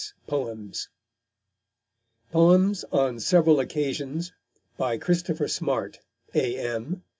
SMART'S POEMS POEMS ON SEVERAL OCCASIONS. _By Christopher Smart, A.M.